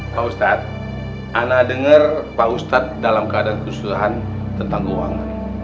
pak ustadz ana dengar pak ustadz dalam keadaan kerusuhan tentang uang